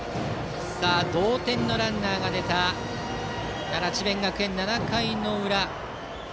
同点のランナーが出た奈良・智弁学園、７回の裏。